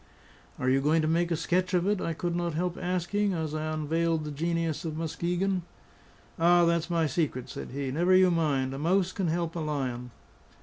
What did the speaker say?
"Are you going to make a sketch of it?" I could not help asking, as I unveiled the Genius of Muskegon. "Ah, that's my secret," said he. "Never you mind. A mouse can help a lion."